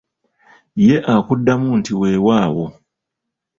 Ye akuddamu nti weewaawo.